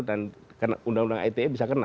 dan karena undang undang ite bisa kena